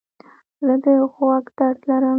زه د غوږ درد لرم.